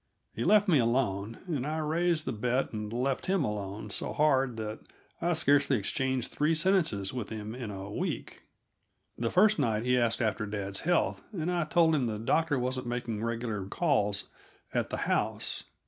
He left me alone, and I raised the bet and left him alone so hard that I scarcely exchanged three sentences with him in a week. The first night he asked after dad's health, and I told him the doctor wasn't making regular calls at the house.